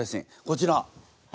こちら。